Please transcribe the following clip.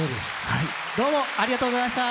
はいどうもありがとうございました！